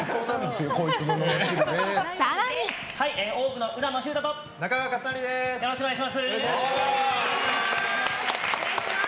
よろしくお願いします。